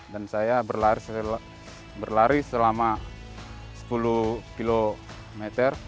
dan saya berlari selama sepuluh km